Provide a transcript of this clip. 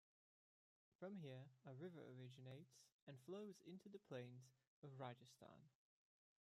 From here a river originates and flows down into the plains of Rajasthan.